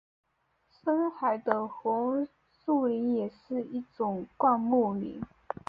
沿海的红树林也是一种灌木林。